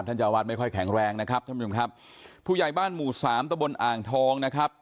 ท่านเจ้าวัดไม่ค่อยแข็งแรงนะครับผู้ใหญ่บ้านหมู่๓ตะบลอ่างทองนะครับ